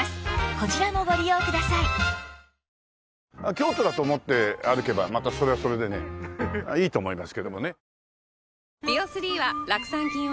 京都だと思って歩けばまたそれはそれでいいと思います。